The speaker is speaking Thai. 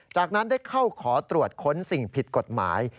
จากนั้นได้เข้าขอตรวจค้นสิ่งผิดกฎหมาย